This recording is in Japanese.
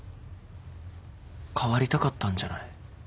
変わりたかったんじゃない？